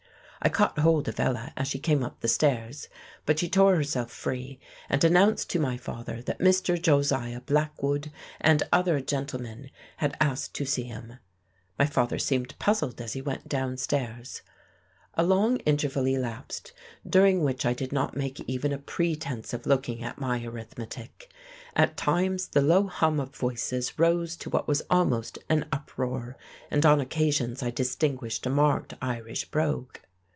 I caught hold of Ella as she came up the stairs, but she tore herself free, and announced to my father that Mr. Josiah Blackwood and other gentlemen had asked to see him. My father seemed puzzled as he went downstairs.... A long interval elapsed, during which I did not make even a pretence of looking at my arithmetic. At times the low hum of voices rose to what was almost an uproar, and on occasions I distinguished a marked Irish brogue.